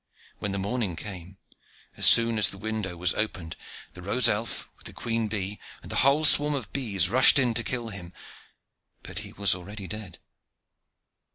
When the morning came, and as soon as the window was opened, the rose elf, with the queen bee, and the whole swarm of bees, rushed in to kill him. But he was already dead.